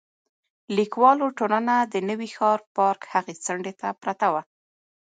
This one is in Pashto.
لیکوالو ټولنه د نوي ښار پارک هغې څنډې ته پرته وه.